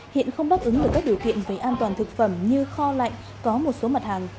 hiện không đáp ứng được các điều kiện về an toàn thực phẩm như kho lạnh có một số mặt hàng